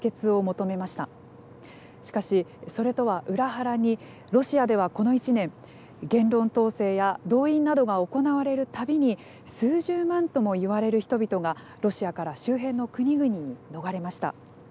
しかしそれとは裏腹にロシアではこの１年言論統制や動員などが行われるたびに数十万ともいわれる人々がロシアから周辺の国々に逃れました。